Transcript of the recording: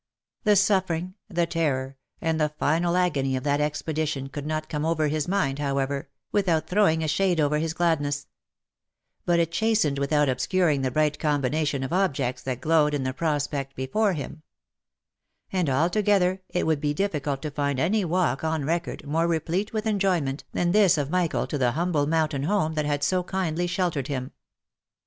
The suffering, the terror, and the final agony of that expedition could not come over his mind, however, without throwing a shade over his gladness ; but it chastened without obscuring the bright combination of objects that glowed in the prospect before him ; and, altogether, it would be difficult to find any walk on record more replete with enjoy ment than this of Michael to the humble mountain home that had so kindly sheltered him.